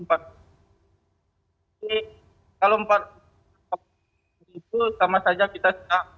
jadi kalau empat kapal itu sama saja kita